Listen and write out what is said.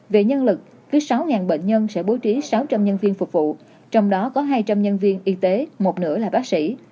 về nhân lực thứ sáu bệnh nhân sẽ bố trí sáu trăm linh nhân viên phục vụ trong đó có hai trăm linh nhân viên y tế một nửa là bác sĩ